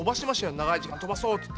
長い時間飛ばそうって言って。